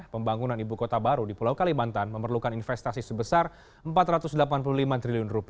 pembangunan ibu kota baru di pulau kalimantan memerlukan investasi sebesar rp empat ratus delapan puluh lima triliun